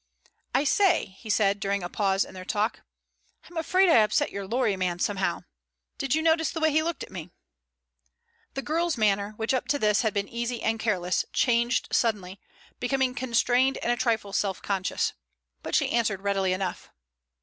"I say," he said, during a pause in their talk, "I'm afraid I upset your lorry man somehow. Did you notice the way he looked at me?" The girl's manner, which up to this had been easy and careless, changed suddenly, becoming constrained and a trifle self conscious. But she answered readily enough.